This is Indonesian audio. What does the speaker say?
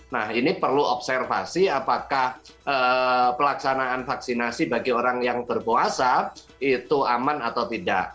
nah ini perlu observasi apakah pelaksanaan vaksinasi bagi orang yang berpuasa itu aman atau tidak